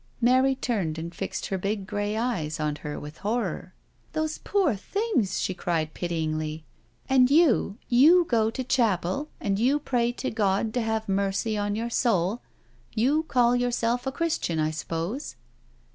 '* Mary turned and fixed her big grey eyes on her with horror: "Those poor things," she cried pityingly. "And you^ you go to chapel and you pray to God to have mercy on your soul — you call yourself a Christian, I suppose?"